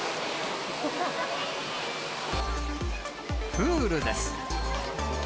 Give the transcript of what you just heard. プールです。